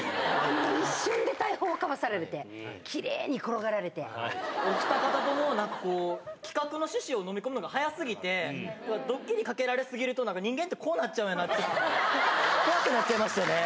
一瞬で大砲かわされて、きれいにお二方とも、なんかこう、企画の趣旨を飲み込むのが早すぎて、ドッキリかけられ過ぎると、なんか人間ってこうなっちゃうんやなって、怖くなっちゃいましたね。